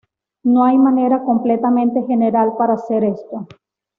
No hay manera completamente general para hacer esto.